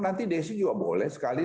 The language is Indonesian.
nanti desi juga boleh sekali